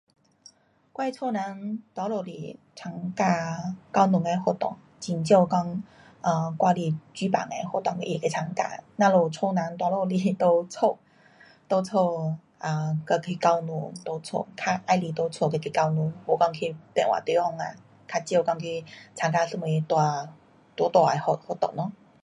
我的家人多数是参加教堂的活动，很少讲 um 外里举办的活动嘎他会去参加。咱们家人多数是在家，在家 um 跟去教堂，在家较喜欢在家跟去教堂，没讲去别位地方啊，较少去参加什么大，大大的活，活动咯。